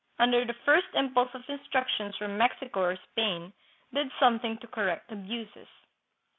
under the first impulse of instructions from Mexico or Spain, did something to correct abuses.